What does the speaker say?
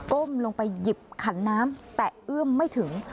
้มลงไปหยิบขันน้ำแต่เอื้อมไม่ถึง